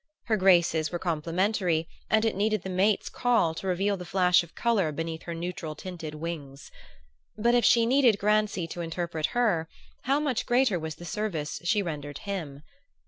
Her graces were complementary and it needed the mate's call to reveal the flash of color beneath her neutral tinted wings. But if she needed Grancy to interpret her, how much greater was the service she rendered him!